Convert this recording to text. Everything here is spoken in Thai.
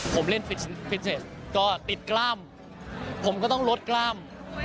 ผมเล่นฟิตเนสก็ติดกล้ามผมก็ต้องลดกล้าม